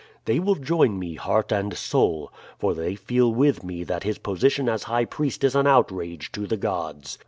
They will join me heart and soul, for they feel with me that his position as high priest is an outrage to the gods.